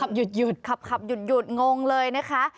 ใช่ค่ะขับหยุดขับหยุดงงเลยนะคะ